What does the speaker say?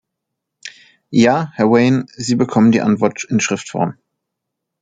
Ja, Herr Wynn, Sie bekommen die Antworten in Schriftform.